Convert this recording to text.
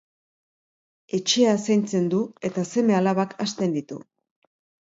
Etxea zaintzen du eta seme-alabak hazten ditu.